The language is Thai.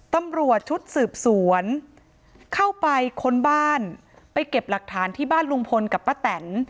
ตำรวจชุดสืบสวนเข้าไปค้นบ้านไปเก็บหลักฐานที่บ้านลุงพลกับป้าแตน